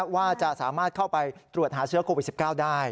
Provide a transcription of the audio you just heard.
ว่าจะสามารถเข้าไปตรวจหาเชื้อโควิด๑๙ได้